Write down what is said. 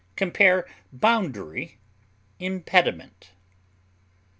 Compare BOUNDARY; IMPEDIMENT.